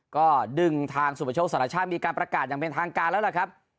ก็ดึงทางสุประโชคสารชาติมีการประกาศอย่างเป็นทางการแล้วล่ะครับ